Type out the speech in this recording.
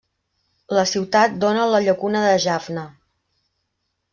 La ciutat dóna a la llacuna de Jaffna.